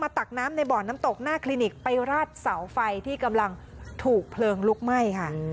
ตักน้ำในบ่อน้ำตกหน้าคลินิกไปราดเสาไฟที่กำลังถูกเพลิงลุกไหม้ค่ะ